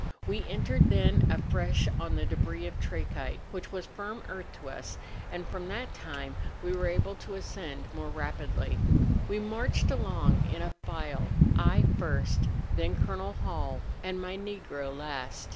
We entered then afresh on the debris of trachyte, which was firm earth to us, and from that time we were able to ascend more rapidly. We marched along in a file, I first, then Col. Hall, and my Negro last.